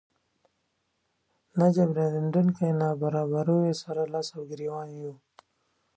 ناجبرانېدونکو نابرابريو سره لاس ګریوان يو.